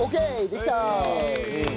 できた。